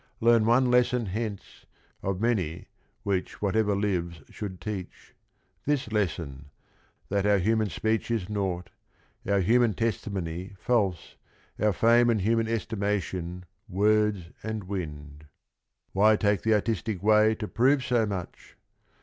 learn one lesson hence Of many which whatever lives should teach: This lesson, that our human speech is naught, Our human testimony false, our fame And human estimation words and wind. Why take the artistic way to prove so much?